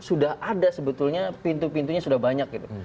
ini sudah ada sebetulnya pintu pintunya sudah banyak